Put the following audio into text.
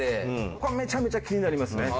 これめちゃめちゃ気になりますね。